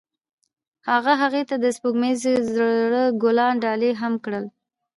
هغه هغې ته د سپوږمیز زړه ګلان ډالۍ هم کړل.